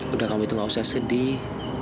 udah kamu itu gak usah sedih